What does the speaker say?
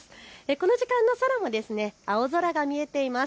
この時間の空は青空が見えています。